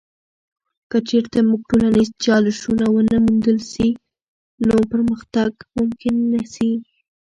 که چیرته موږ ټولنیز چالشونه ونه موندل سي، نو پرمختګ ممکن نه سي.